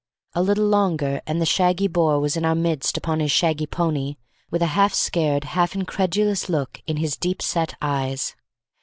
A little longer, and the shaggy Boer was in our midst upon his shaggy pony, with a half scared, half incredulous look in his deep set eyes.